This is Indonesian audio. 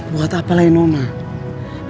buat apalain omah